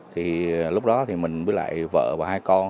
thì lúc đó thì mình với lại vợ và hai con